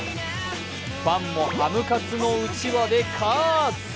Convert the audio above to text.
ファンもハムカツのうちわで喝！